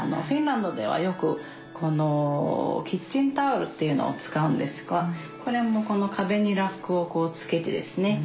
フィンランドではよくこのキッチンタオルっていうのを使うんですがこれもこの壁にラックをこうつけてですね